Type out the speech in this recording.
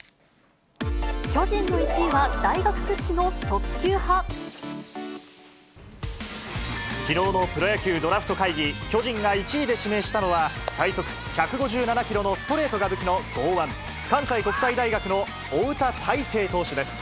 巨人の１位は、きのうのプロ野球ドラフト会議、巨人が１位で指名したのは、最速１５７キロのストレートが武器の剛腕、関西国際大学の翁田大勢投手です。